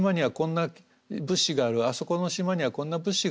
あそこの島にはこんな物資がある。